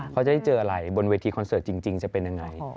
เขาจะได้เจออะไรบนเวทีคอนเสิร์ตจริงจะเป็นยังไง